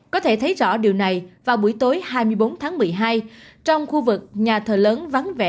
có thể thấy rõ điều này vào buổi tối hai mươi bốn tháng một mươi hai trong khu vực nhà thờ lớn vắng vẻ